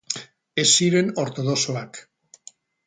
Ez ziren ortodoxoak.